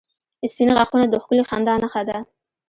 • سپین غاښونه د ښکلي خندا نښه ده.